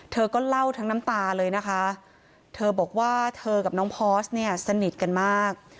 เธอก็เล่าทั้งน้ำตาเลยนะคะเธอบอกว่าเธอกับน้องพอร์สเนี่ยสนิทกันมาก